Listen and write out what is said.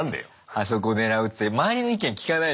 あそこ狙うって周りの意見聞かないじゃん。